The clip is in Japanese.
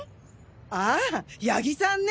ああ谷木さんね！